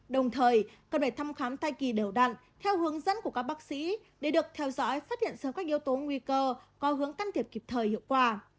đồng thời cần phải thăm khám thai kỳ đều đặn theo hướng dẫn của các bác sĩ để được theo dõi phát hiện sớm các yếu tố nguy cơ có hướng can thiệp kịp thời hiệu quả